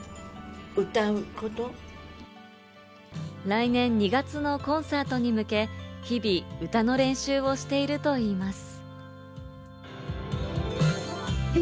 来年２月のコンサートに向け、日々、歌の練習をしているといいます。